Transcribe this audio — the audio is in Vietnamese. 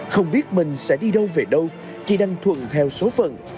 không biết mình sẽ đi đâu về đâu chỉ đang thuận theo số phận